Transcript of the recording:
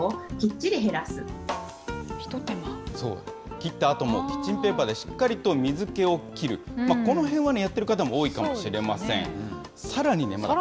切ったあともキッチンペーパーでしっかりと水けを切る、このへんはやってる方も多いかもしれません。